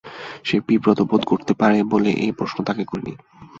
সে বিব্রত বোধ করতে পারে বলে এই প্রশ্ন তাকে করি নি।